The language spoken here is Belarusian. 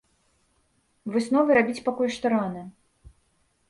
Высновы рабіць пакуль што рана.